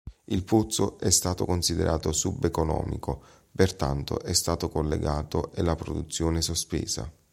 Il pozzo è stato considerato sub-economico, pertanto è stato collegato e la produzione sospesa.